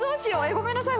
ごめんなさい